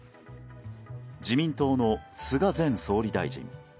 自民党の菅前総理大臣。